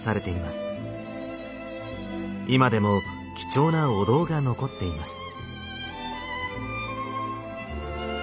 今でも貴重なお堂が残っています。